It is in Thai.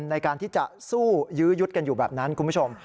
ในการที่จะสู้ยื้อยุดกันอยู่แบบนั้นคุณผู้ชม